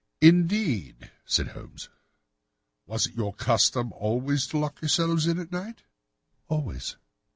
"Indeed," said Holmes. "Was it your custom always to lock yourselves in at night?" "Always."